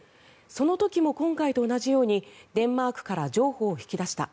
その時も今回と同じようにデンマークから譲歩を引き出した。